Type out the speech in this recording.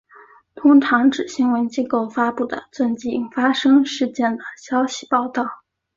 通常指新闻机构发布的最近发生事件的消息报道。